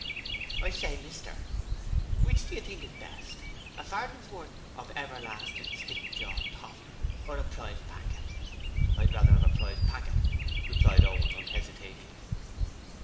'I say, mister. Which do you think is the best: a fardensworth of everlasting stickjaw torfee, or a prize packet?' 'I'd rather have a prize packet,' replied Owen, unhesitatingly.